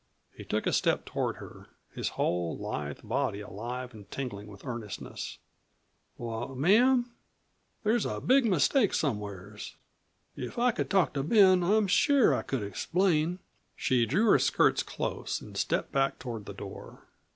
He took a step toward her, his whole lithe body alive and tingling with earnestness. "Why, ma'am, there's a big mistake somewheres. If I could talk to Ben I'm sure I could explain " She drew her skirts close and stepped back toward the door.